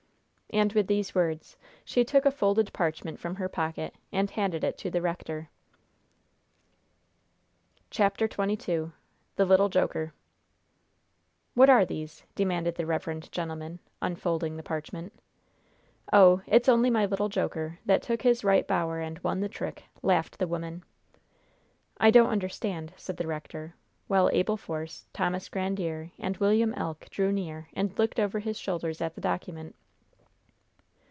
And, with these words, she took a folded parchment from her pocket, and handed it to the rector. CHAPTER XXII THE LITTLE JOKER "What are these?" demanded the reverend gentleman, unfolding the parchment. "Oh, it's only my little joker, that took his right bower and won the trick," laughed the woman. "I don't understand," said the rector, while Abel Force, Thomas Grandiere and William Elk drew near and looked over his shoulders at the document.